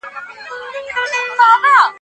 ماشینونه به هوښیار شي.